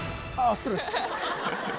ストレス